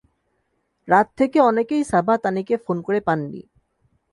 রাত থেকে অনেকেই সাবা তানিকে ফোন করে পাননি।